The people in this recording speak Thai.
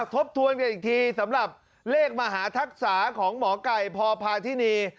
ทบทวนกันอีกทีสำหรับเลขมหาทักษะของหมอไก่พพาธินี